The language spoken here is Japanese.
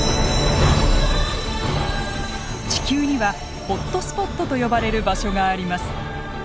地球にはホットスポットと呼ばれる場所があります。